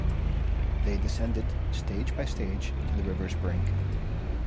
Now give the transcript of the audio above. They descended, stage by stage, to the river’s brink.